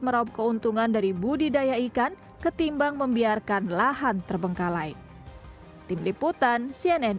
meraup keuntungan dari budidaya ikan ketimbang membiarkan lahan terbengkalai tim liputan cnn